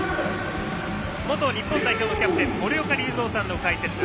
元日本代表のキャプテン森岡隆三さんの解説。